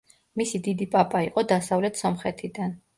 მისი დიდი პაპა იყო დასავლეთ სომხეთიდან.